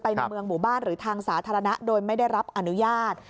ในเมืองหมู่บ้านหรือทางสาธารณะโดยไม่ได้รับอนุญาต